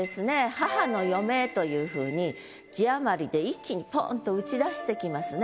「母の余命」というふうに字余りで一気にポンと打ち出してきますね。